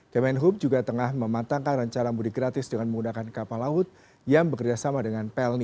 kemenhub juga tengah mematangkan rencana mudik gratis dengan menggunakan kapal laut yang bekerjasama dengan pelni